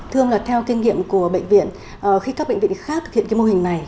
thương là theo kinh nghiệm của bệnh viện khi các bệnh viện khác thực hiện cái mô hình này